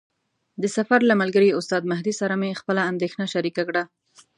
د سفر له ملګري استاد مهدي سره مې خپله اندېښنه شریکه کړه.